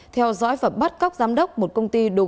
theo dõi và bắt cóc giám đốc một công ty đồ gỗ nội